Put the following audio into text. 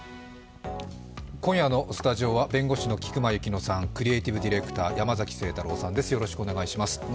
今夜のスタジオは弁護士の菊間千乃さん、クリエイティブディレクター山崎晴太郎さんです、よろしくお願いします。